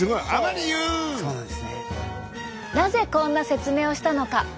なぜこんな説明をしたのか。